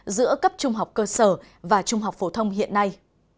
giữa cấp trung học cơ sở và trung học phổ thông hiện nay